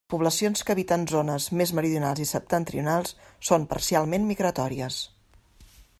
Les poblacions que habiten zones més meridionals i septentrionals són parcialment migratòries.